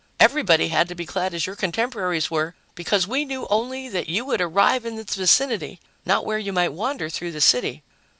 Everybody had to be clad as your contemporaries were, because we knew only that you would arrive in this vicinity, not where you might wander through the city."